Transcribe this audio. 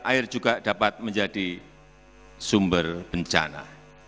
air juga dapat menjadi sumber bencana